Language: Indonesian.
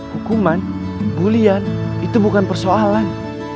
hukuman bulian itu bukan persoalan